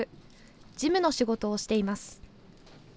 事務の仕事をしています。